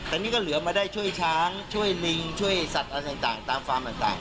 แต่นี่ก็เหลือมาได้ช่วยช้างช่วยลิงช่วยสัตว์อะไรต่างตามฟาร์มต่าง